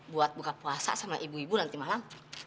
buat buka puasa sama ibu ibu nanti malam